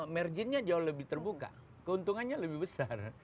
marginnya jauh lebih terbuka keuntungannya lebih besar